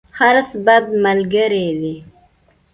حرص، بد ملګری دی.